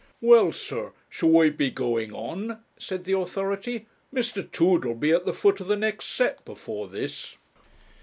'Well, sir, shall we be going on?' said the authority. 'Mr. Tooder'll be at the foot of the next set before this.'